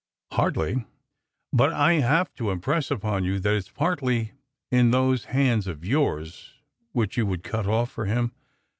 "Hardly. But I have to impress upon you that it s partly in those hands of yours, which you would * cut off for him.